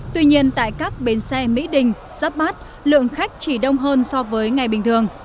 tuy nhiên tại các bến xe mỹ đình giáp bát lượng khách chỉ đông hơn so với ngày bình thường